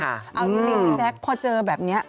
เอาจริงพี่แจ๊คพอเจอแบบนี้